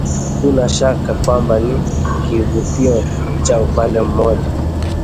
Hakuna shaka kwamba ni kivutio cha upande mmoja